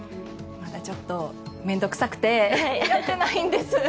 まだちょっと面倒臭くてやってないんです。